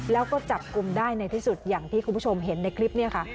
แล้วก็จับกลุ่มได้ในที่สุดอย่างที่คุณผู้ชมเห็นในคลิปนี้ค่ะ